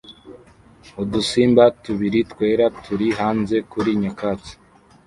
Udusimba tubiri twera turi hanze kuri nyakatsi